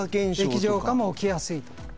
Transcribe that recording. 液状化も起きやすいところ。